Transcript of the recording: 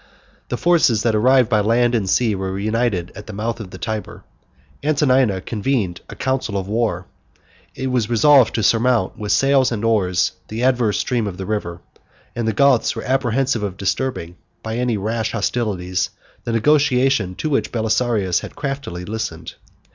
The forces that arrived by land and sea were united at the mouth of the Tyber. Antonina convened a council of war: it was resolved to surmount, with sails and oars, the adverse stream of the river; and the Goths were apprehensive of disturbing, by any rash hostilities, the negotiation to which Belisarius had craftily listened.